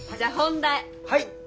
はい。